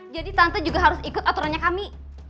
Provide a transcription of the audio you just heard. jadi tante juga harus ikut aturannya kami